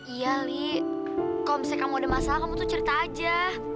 iya li kalau misalnya kamu ada masalah kamu tuh cerita aja